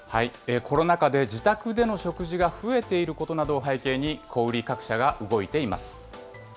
コロナ禍で自宅での食事が増えていることなどを背景に、小売り各社が動いています。